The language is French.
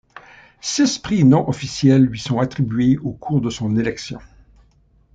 Six prix non officiels lui sont attribués au cours de son élection.